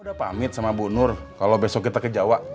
udah pamit sama bu nur kalau besok kita ke jawa